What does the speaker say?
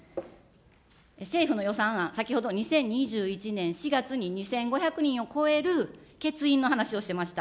政府の予算案、先ほど２０２１年４月に２５００人を超える欠員の話をしてました。